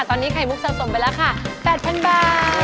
ตอนนี้ไข่มุกเท่าสมไปแปบ๑๐๐๐บาท